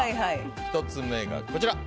１つ目がこちら。